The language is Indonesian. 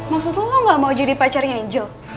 maksudku lo gak mau jadi pacarnya angel